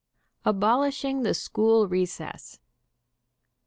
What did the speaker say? ABOLISHING THE SCHOOL RECESS.